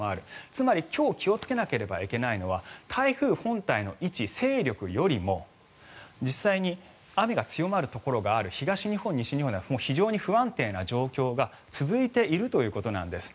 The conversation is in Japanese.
つまり、今日気をつけなければいけないのは台風本体の位置、勢力よりも実際に雨が強まるところがある東日本、西日本もう非常に不安定な状況が続いているということなんです。